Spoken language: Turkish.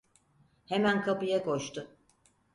Hemen kapıya koştu.